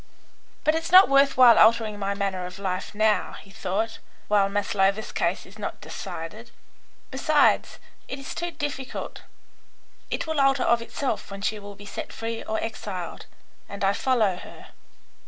"But it's not worth while altering my manner of life now," he thought, "while Maslova's case is not decided. Besides, it is too difficult. It will alter of itself when she will be set free or exiled, and I follow her."